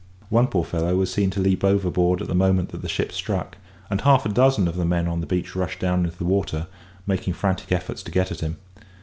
One poor fellow was seen to leap overboard at the moment that the ship struck; and half a dozen of the men on the beach rushed down into the water, making frantic efforts to get at him.